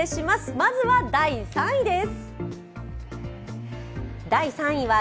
まずは第３位です。